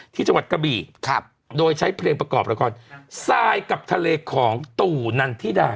จังหวัดกะบี่โดยใช้เพลงประกอบละครทรายกับทะเลของตู่นันทิดา